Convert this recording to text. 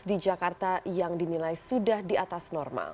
di jakarta yang dinilai sudah di atas normal